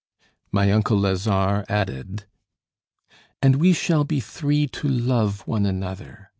My uncle Lazare added: "And we shall be three to love one another.